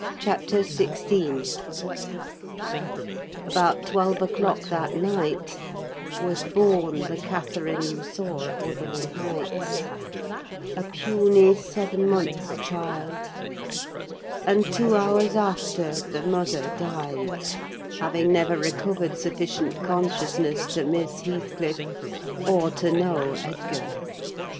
CHAPTER XVI About twelve o'clock that night was born the Catherine you saw at Wuthering Heights: a puny, seven months' child; and two hours after the mother died, having never recovered sufficient consciousness to miss Heathcliff, or know Edgar.